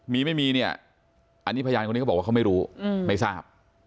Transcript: มีไม่มีเนี่ยพยานท่านนี้ก็บอกว่าเขาไม่รู้ไม่ทราบ